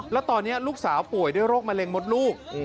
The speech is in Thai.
แล้วตอนนี้ลูกสาวป่วยด้วยโรคมะเร็งมดลูก